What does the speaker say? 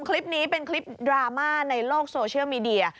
คลิปนี้เป็นคลิปดราม่าในโลกโซเชียลมีเดีย